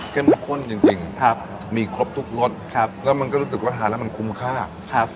ข้นจริงครับมีครบทุกรสครับแล้วมันก็รู้สึกว่าทานแล้วมันคุ้มค่าครับ